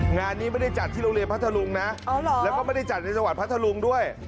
งานนี้ไม่ได้จัดที่โรงเรียนพัทธรุงนะแล้วก็ไม่ได้จัดในจังหวัดพัทธรุงด้วย